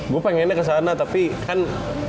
gue pengennya kesana tapi kan